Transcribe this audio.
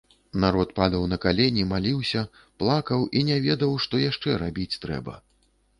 Народ падаў на калені, маліўся, плакаў і не ведаў, што яшчэ рабіць трэба.